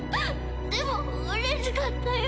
でもうれしかったよ。